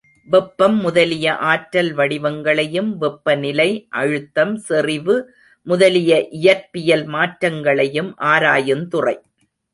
வெப்பம் முதலிய ஆற்றல் வடிவங்களையும், வெப்ப நிலை, அழுத்தம், செறிவு முதலிய இயற்பியல் மாற்றங் களையும் ஆராயுந்துறை.